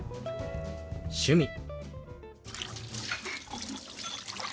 「趣味」。